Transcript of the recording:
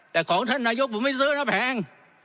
แต่ของท่านนายกผมไม่ซื้อนะแพง